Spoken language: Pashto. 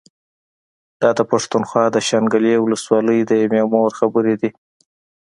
دا د پښتونخوا د شانګلې ولسوالۍ د يوې مور خبرې دي